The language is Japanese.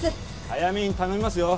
早めに頼みますよ。